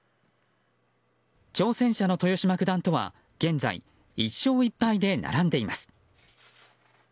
挑戦者の豊島九段とは現在、１勝１敗で並んでいます。